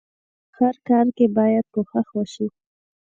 په هر کار کې بايد کوښښ وشئ.